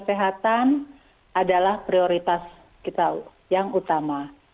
kesehatan adalah prioritas kita yang utama